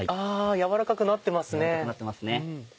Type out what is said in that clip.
軟らかくなってます。